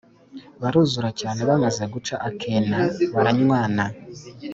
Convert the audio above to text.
baruzura cyane; bamaze guca akena baranywana.